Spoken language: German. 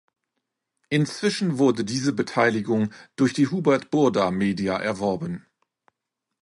Inzwischen wurde diese Beteiligung durch die Hubert Burda Media erworben.